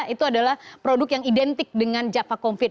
itu adalah produk yang identik dengan jaffa confit